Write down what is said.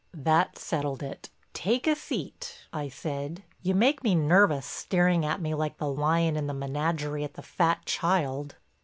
That settled it. "Take a seat," I said. "You make me nervous staring at me like the lion in the menagerie at the fat child."